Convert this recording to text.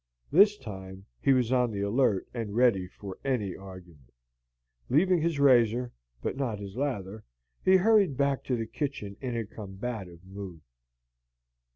This time he was on the alert and ready for any argument. Leaving his razor, but not his lather, he hurried back to the kitchen in a combative mood.